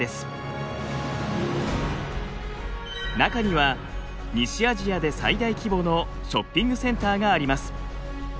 中には西アジアで最大規模のショッピングセンターがあります。